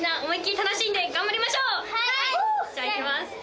じゃいきます。